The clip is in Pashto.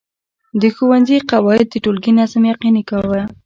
د ښوونځي قواعد د ټولګي نظم یقیني کاوه.